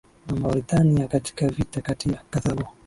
na Mauretania Katika vita kati ya Karthago